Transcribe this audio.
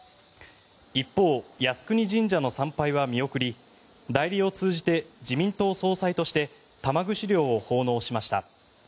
一方、靖国神社の参拝は見送り代理を通じて自民党総裁として玉串料を奉納しました。